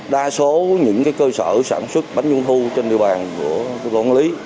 đa số những cơ sở sản xuất bánh trung thu trên địa bàn của đoàn quản lý